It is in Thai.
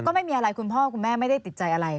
ก็ไม่มีอะไรคุณพ่อคุณแม่ไม่ได้ติดใจอะไร